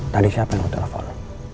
tadi siapa yang mau telepon